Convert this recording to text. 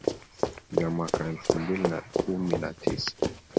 vya mwaka elfu mbili na kumi na tisa